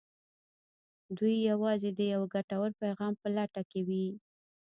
دوی يوازې د يوه ګټور پيغام په لټه کې وي.